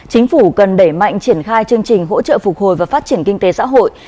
chính phủ cần đẩy mạnh triển khai chương trình hỗ trợ phục hồi và phát triển kinh tế xã hội